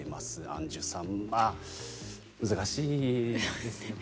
アンジュさん、難しいですね。